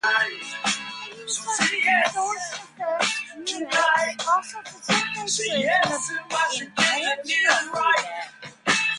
The use of distortion effects units also facilitates the creation of intentional feedback.